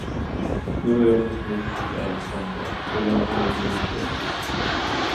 Nu har jag fått mitt, sade Alexander, och lämna mig nu i fred.